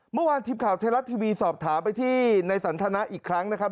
เมื่อวานทีมข่าวไทยรัฐทีวีสอบถามไปที่ในสันทนาอีกครั้งนะครับ